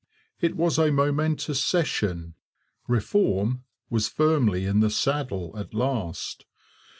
It was a momentous session. Reform was firmly in the saddle at last.